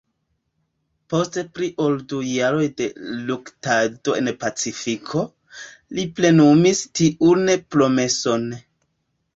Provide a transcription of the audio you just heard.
Post pli ol du jaroj de luktado en Pacifiko, li plenumis tiun promeson.